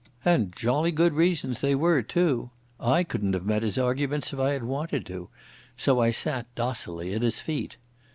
And jolly good reasons they were, too. I couldn't have met his arguments if I had wanted to, so I sat docilely at his feet.